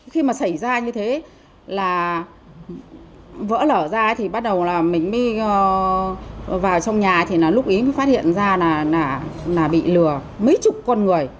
khi mà xảy ra như thế là vỡ lở ra thì bắt đầu là mình mới vào trong nhà thì là lúc ý mới phát hiện ra là bị lừa mấy chục con người